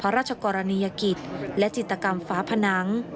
พระราชกรณียกิจและจิตกรรมฝาผนัง